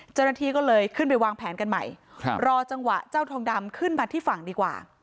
เจ้าหน้าที่ก็เลยขึ้นไปวางแผนกันใหม่รอจังหวะเจ้าทองดำขึ้นมาที่ฝั่งดีกว่า